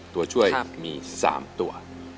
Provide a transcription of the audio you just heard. ตัวช่วยมี๓ตัว